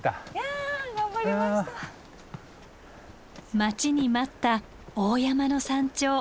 待ちに待った大山の山頂